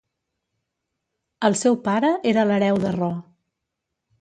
El seu pare era l'hereu de Ro.